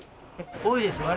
多いです